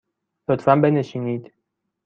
لطفاً بنشینید.